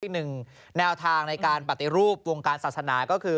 อีกหนึ่งแนวทางในการปฏิรูปวงการศาสนาก็คือ